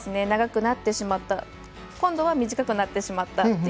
長くなってしまった今度は短くなってしまった。